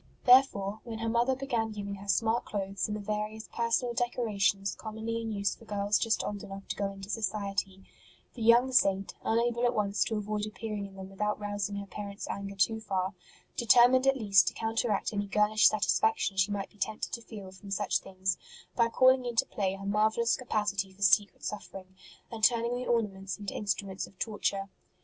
Therefore, when her mother began giving her smart clothes and the various personal decorations commonly in use for girls just old enough to go into society, the young Saint, unable at once to avoid appearing in them without rousing her parent s anger too far, determined at least to counteract any girlish satisfaction she might be tempted to feel from such things by calling into HER VICTORY OVER VANITY 65 play her marvellous capacity for secret suffering, and turning the ornaments into instruments of torture.